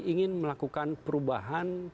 ingin melakukan perubahan